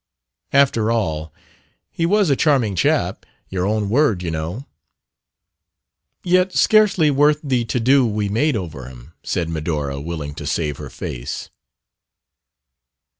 "After all, he was a 'charming' chap. Your own word, you know." "Yet scarcely worth the to do we made over him," said Medora, willing to save her face.